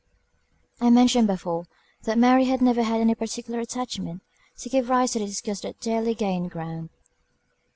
I mentioned before, that Mary had never had any particular attachment, to give rise to the disgust that daily gained ground.